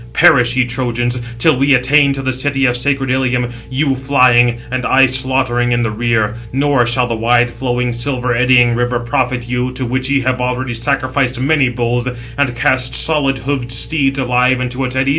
Perish [ye Trojans], till we attain to the city of sacred Ilium, you flying, and I slaughtering in the rear: nor shall the wide flowing, silver eddying river, profit you, to which ye have already sacrificed many bulls, and cast solid hoofed steeds alive into its eddies.